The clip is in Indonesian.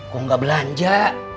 kok enggak belanja